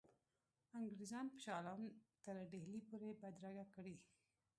انګرېزان به شاه عالم تر ډهلي پوري بدرګه کړي.